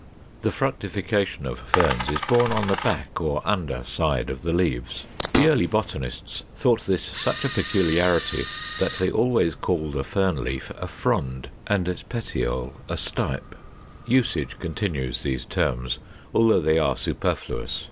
] 487. The fructification of Ferns is borne on the back or under side of the leaves. The early botanists thought this such a peculiarity that they always called a Fern leaf a FROND, and its petiole a STIPE. Usage continues these terms, although they are superfluous.